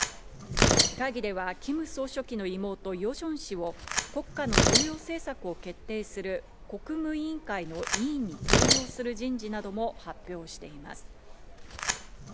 会議ではキム総書記の妹・ヨジョン氏を国家の重要政策を決定する国務委員会の委員に登用する人事なども発表しています。